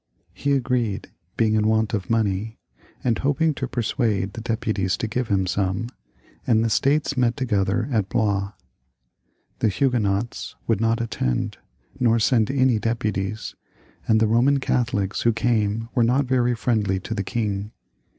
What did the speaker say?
He agreed, being in want of money, and hoping to persuade the deputies to give him some, and the States met together at Blois. The Huguenots would not be present, nor send any deputies, and the Eoman Catholics who came were not very friendly to the king.